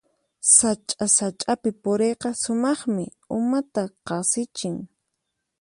Sacha-sachapi puriyqa sumaqmi, umata qasichin.